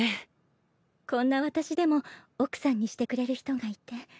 こんな私でも奥さんにしてくれる人がいて。